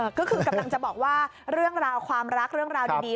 ก็คือกำลังจะบอกว่าเรื่องราวความรักเรื่องราวดี